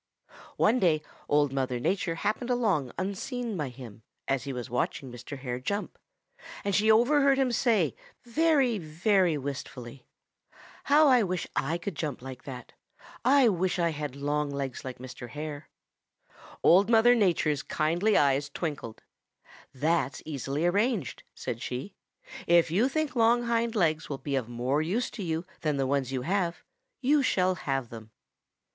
One day Old Mother Nature happened along unseen by him, as he was watching Mr. Hare jump, and she overheard him say very, very wistfully, 'How I wish I could jump like that! I wish I had long hind legs like Mr. Hare.' "Old Mother Nature's kindly eyes twinkled. 'That's easily arranged,' said she. 'If you think long hind legs will be of more use to you than the ones you have, you shall have them.'